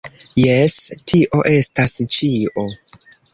Jes tio estas ĉio!